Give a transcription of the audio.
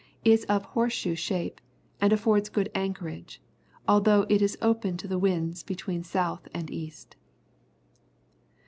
is of horse shoe shape, and affords good anchorage, although it is open to the winds between south and east.